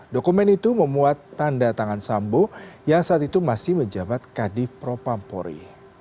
dokumen itu memuat tanda tangan sambo yang saat itu masih menjabat kadir propan pori